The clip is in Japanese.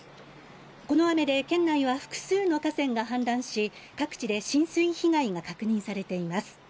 この雨で県内は複数の河川が氾濫し、各地で浸水被害が確認されています。